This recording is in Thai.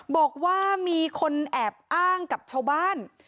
บอกว่ามีคนแอบอ้างกับชาวบ้าน